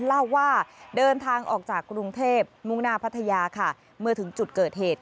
เล่าว่าเดินทางออกจากกรุงเทพมุ่งหน้าพัทยาค่ะเมื่อถึงจุดเกิดเหตุ